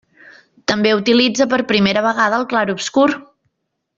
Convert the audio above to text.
També utilitza per primera vegada el clarobscur.